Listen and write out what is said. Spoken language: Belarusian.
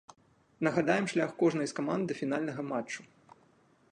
Нагадаем, шлях кожнай з каманд да фінальнага матчу.